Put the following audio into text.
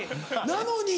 なのに？